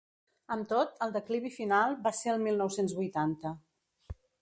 Amb tot, el declivi final va ser el mil nou-cents vuitanta.